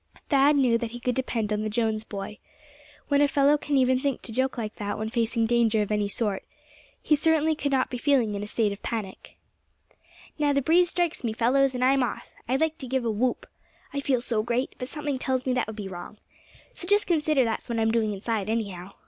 Thad knew that he could depend on the Jones boy. When a fellow can even think to joke like that when facing danger of any sort, he certainly could not be feeling in a state of panic. "Now the breeze strikes me, fellows, and I'm off. I'd like to give a whoop, I feel so great; but something tells me that would be wrong. So just consider that's what I'm doing inside, anyhow.